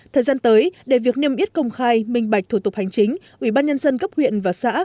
thời gian tới để việc niêm yết công khai minh bạch thủ tục hành chính ủy ban nhân dân cấp huyện và xã